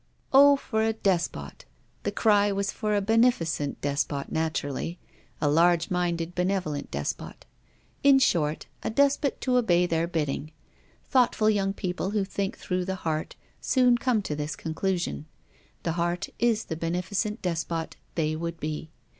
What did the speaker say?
O for a despot! The cry was for a beneficent despot, naturally: a large minded benevolent despot. In short, a despot to obey their bidding. Thoughtful young people who think through the heart soon come to this conclusion. The heart is the beneficent despot they would be.